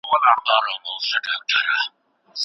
د پوهنې په برخه کې پانګونه د راتلونکي نسل تضمین دی.